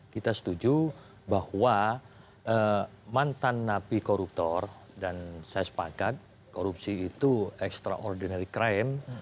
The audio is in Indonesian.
kita setuju bahwa mantan napi koruptor dan saya sepakat korupsi itu extraordinary crime